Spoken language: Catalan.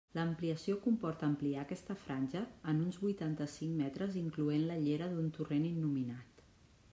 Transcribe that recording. L'ampliació comporta ampliar aquesta franja en uns vuitanta-cinc metres incloent la llera d'un torrent innominat.